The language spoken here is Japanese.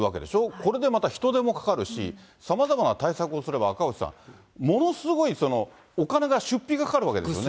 これでまた人手もかかるし、さまざまな対策をすれば、赤星さん、ものすごいお金が、出費がかかるわけですよね。